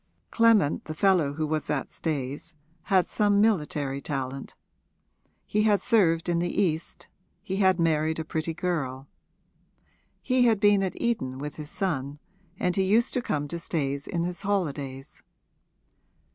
Clement, the fellow who was at Stayes, had some military talent; he had served in the East, he had married a pretty girl. He had been at Eton with his son, and he used to come to Stayes in his holidays.